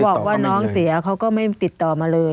บอกว่าน้องเสียเขาก็ไม่ติดต่อมาเลย